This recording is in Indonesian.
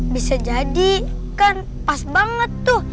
bisa jadi kan pas banget tuh